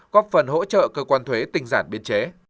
góp phần hỗ trợ cơ quan thuế tinh giản biên chế